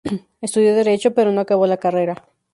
Estudió Derecho, pero no acabó la carrera.